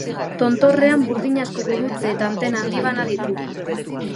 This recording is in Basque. Tontorrean burdinazko gurutze eta antena handi bana ditu.